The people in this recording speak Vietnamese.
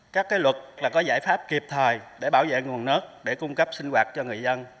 các luật có giải pháp kịp thời để bảo vệ nguồn nước để cung cấp sinh hoạt cho người dân